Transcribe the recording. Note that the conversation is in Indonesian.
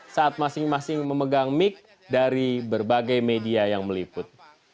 saat masing masing memegang mic dari berbagai media yang meliput